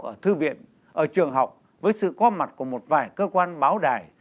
ở thư viện ở trường học với sự có mặt của một vài cơ quan báo đài